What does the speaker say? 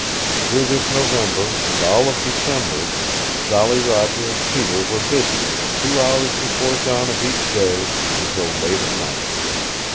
Through this November, and all of December, Jolly Roger and Peter were busy from two hours before dawn of each day until late at night.